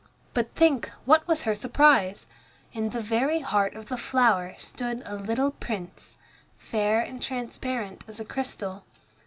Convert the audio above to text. But think, what was her surprise! In the very heart of the flower stood a little Prince, fair and transparent as crystal.